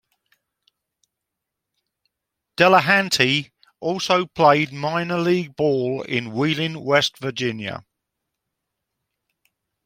Delahanty also played minor league ball in Wheeling, West Virginia.